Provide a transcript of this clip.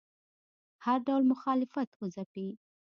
هر ډول مخالفت وځپي